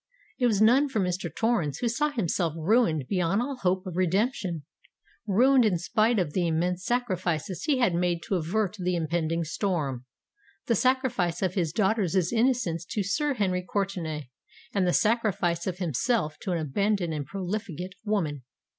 It was none for Mr. Torrens, who saw himself ruined beyond all hope of redemption,—ruined in spite of the immense sacrifices he had made to avert the impending storm—the sacrifice of his daughter's innocence to Sir Henry Courtenay, and the sacrifice of himself to an abandoned and profligate woman!